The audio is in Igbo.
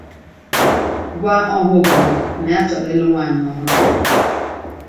gwa ọha obodo na y a chọrọ ịlụ nwanyị ọhụrụ